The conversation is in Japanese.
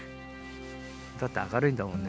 だって明るいんだもんね。